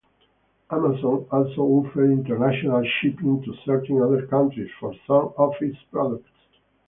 Amazon also offers international shipping to certain other countries for some of its products.